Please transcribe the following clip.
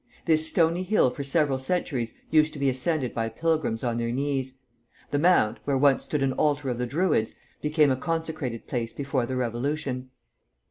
This and stony hill for several centuries used to be ascended by pilgrims on their knees; the mount, where once stood an altar of the Druids, became a consecrated place before the Revolution.